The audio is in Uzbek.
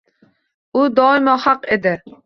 U doimo haq edi